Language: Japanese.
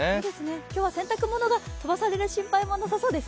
今日は洗濯物が飛ばされる心配もなさそうですね。